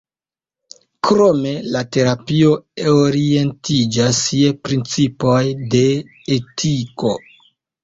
Krome la terapio orientiĝas je principoj de etiko.